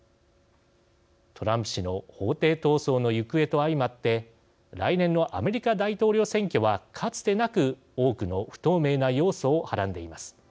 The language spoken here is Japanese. トランプ氏の法廷闘争の行方と相まって来年のアメリカ大統領選挙はかつてなく多くの不透明な要素をはらんでいます。